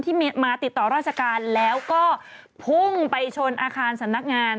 ที่มาติดต่อราชการแล้วก็พุ่งไปชนอาคารสำนักงาน